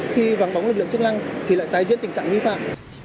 khi vắng bóng lực lượng chức lăng thì lại tái diễn tình trạng vi phạm